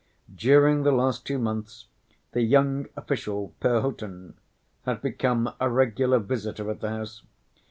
During the last two months the young official, Perhotin, had become a regular visitor at the house.